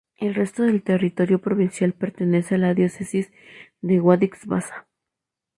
El resto del territorio provincial pertenece a la diócesis de Guadix-Baza.